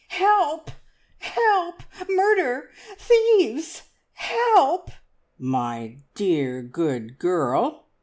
"Help! Help! Murder! Thieves! He l p!" "My dear, good girl!"